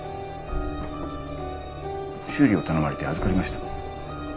修理を頼まれて預かりました。